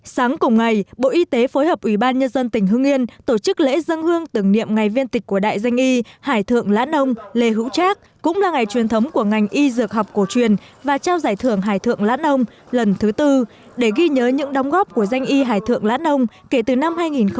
sáng cùng ngày bộ y tế phối hợp ủy ban nhân dân tỉnh hưng yên tổ chức lễ dân hương tưởng niệm ngày viên tịch của đại danh y hải thượng lãn nông lê hữu trác cũng là ngày truyền thống của ngành y dược học cổ truyền và trao giải thưởng hải thượng lãn ông lần thứ tư để ghi nhớ những đóng góp của danh y hải thượng lãn nông kể từ năm hai nghìn một mươi